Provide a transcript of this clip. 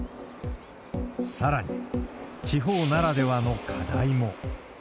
さらに、地方ならではの課題も。